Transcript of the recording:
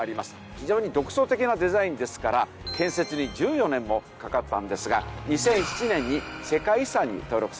非常に独創的なデザインですから建設に１４年もかかったんですが２００７年に世界遺産に登録されています。